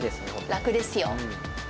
楽ですよ。